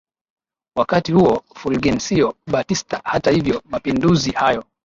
Wakati huo Fulgencio Batista hata hivyo mapinduzi hayo